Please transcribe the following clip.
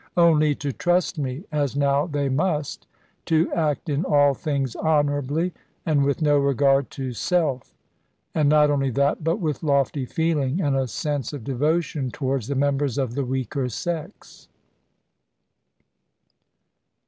Only to trust me (as now they must) to act in all things honourably, and with no regard to self; and not only that, but with lofty feeling, and a sense of devotion towards the members of the weaker sex.